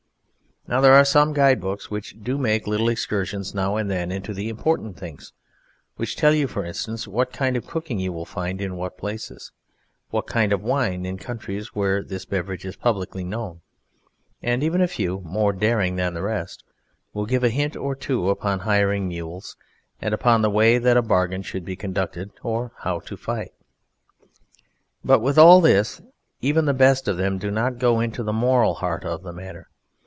Now there are some Guide Books which do make little excursions now and then into the important things, which tell you (for instance) what kind of cooking you will find in what places, what kind of wine in countries where this beverage is publicly known, and even a few, more daring than the rest, will give a hint or two upon hiring mules, and upon the way that a bargain should be conducted, or how to fight. But with all this even the best of them do not go to the moral heart of the matter.